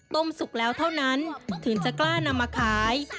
สุกแล้วเท่านั้นถึงจะกล้านำมาขาย